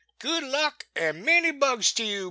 Good luck, an* many bugs to yew.